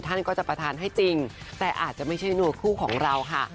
ท่านก็จะประทานให้จริงแต่อาจจะไม่ใช่นัวคู่ของเราค่ะ